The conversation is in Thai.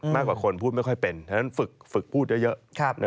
มากกว่าคนพูดไม่ค่อยเป็นฉะนั้นฝึกพูดเยอะ